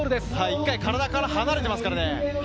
一回、体から離れてますからね。